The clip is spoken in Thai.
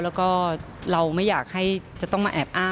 แล้วก็เราไม่อยากให้จะต้องมาแอบอ้าง